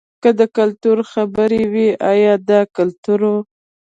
که د کلتور خبره وي ایا دا کلتور و.